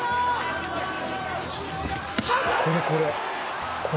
これこれ。